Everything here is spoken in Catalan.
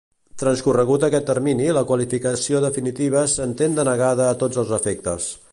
Transcorregut aquest termini la qualificació definitiva s'entén denegada a tots els efectes.